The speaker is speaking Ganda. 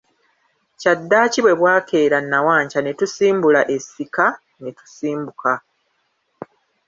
Kyaddaaki bwe bwakeera nnawankya ne tusimbula essika ne tusimbuka.